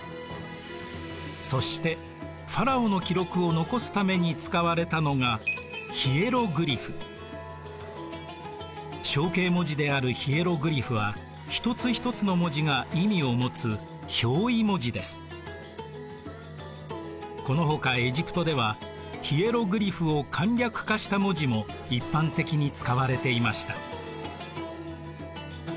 そしてファラオの記録を残すために使われたのが象形文字であるヒエログリフはこのほかエジプトではヒエログリフを簡略化した文字も一般的に使われていました。